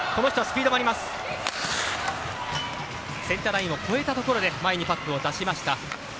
センターラインを越えたところで前にパックを出しました。